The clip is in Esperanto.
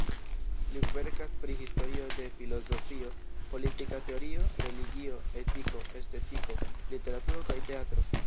Li verkas pri historio de filozofio, politika teorio, religio, etiko, estetiko, literaturo kaj teatro.